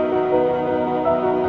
sebenernya si romania